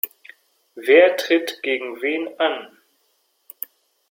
Wer tritt gegen wen an?